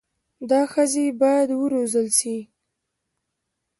دا ښځي بايد و روزل سي